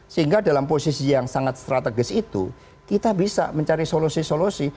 sehingga dalam posisi yang sangat strategis itu kita bisa mencari solusi solusi